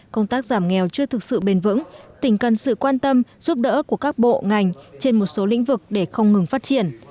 công tác giảm nghèo chưa thực sự bền vững tỉnh cần sự quan tâm giúp đỡ của các bộ ngành trên một số lĩnh vực để không ngừng phát triển